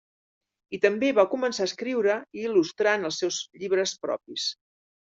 I també va començar a escriure i il·lustrant els seus llibres propis.